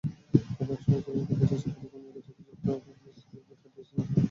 গতকাল সরেজমিনে দেখা যায়, সাগরিকা মোড়ের দুর্ঘটনাস্থলটি ফিতা দিয়ে চিহ্নিত করা রয়েছে।